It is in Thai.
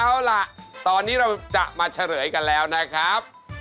เอาล่ะตอนนี้เราจะมาเฉลยกันแล้วนะครับ